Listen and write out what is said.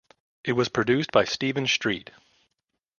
It was produced by Stephen Street.